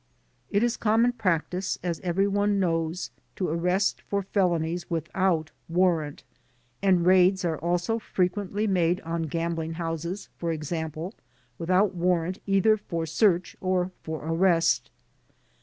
It is common practice, as every one knows, to arrest for felonies with out warrant, and raids are also frequently made on gam bling houses, for example, without warrant either for search or for arrest.